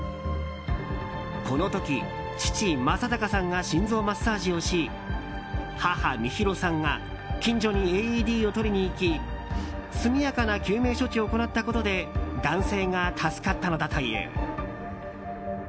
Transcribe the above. この時、父・正隆さんが心臓マッサージをし母・美弘さんは近所にＡＥＤを取りに行き速やかな救命措置を行ったことで男性が助かったのだという。